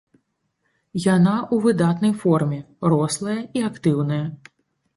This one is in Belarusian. Яна ў выдатнай форме, рослая і актыўная.